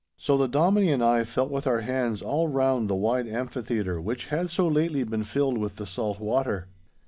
So the Dominie and I felt with our hands all round the wide amphitheatre which had so lately been filled with the salt water.